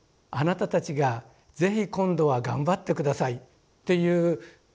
あなたたちが是非今度は頑張ってください」っていう。